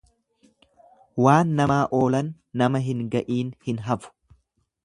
Waan namaa oolan nama hin ga'iin hin hafu.